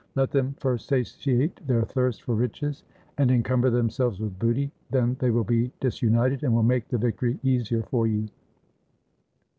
Let them first satiate their thirst for riches, and encum ber themselves with booty; then they will be disunited, and will make the victory easier for you!"